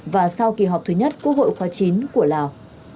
và sau kỳ họp thứ nhất quốc hội khóa chín của lào